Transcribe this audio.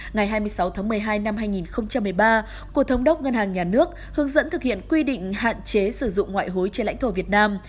ngày hai mươi sáu tháng một mươi hai năm hai nghìn một mươi ba của thống đốc ngân hàng nhà nước hướng dẫn thực hiện quy định hạn chế sử dụng ngoại hối trên lãnh thổ việt nam